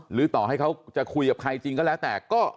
หรือต่อให้เขาจะคุยกับใครจริงก็แล้วแต่ก็